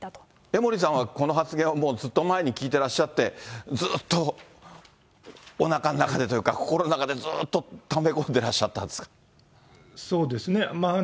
江森さんは、この発言はもうずっと前に聞いてらっしゃって、ずっとおなかの中でというか、心の中でずっとため込んでらっしゃそうですね。